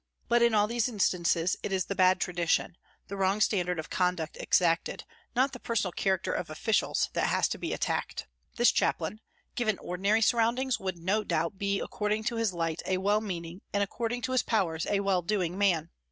But in all these instances it is the bad tradition, the wrong standard of conduct exacted, not the personal character of officials, that has to be attacked. This chaplain, given ordinary surroundings, would no doubt be according to his light a well meaning, and according to his powers a well doing man.